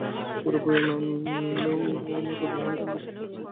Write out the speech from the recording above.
পুরোপুরি নামিললেও অনেক উদাহরণ থাকবে খুব কাছাকাছি।